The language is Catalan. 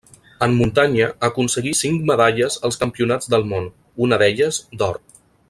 En muntanya aconseguí cinc medalles als Campionats del Món, una d'elles d'or.